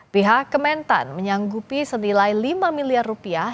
pihak kementan menyanggupi senilai lima miliar rupiah